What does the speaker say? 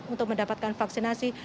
untuk mendapatkan vaksinasi